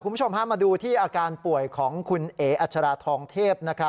คุณผู้ชมมาดูที่อาการป่วยของคุณเอ๋อัชราทองเทพ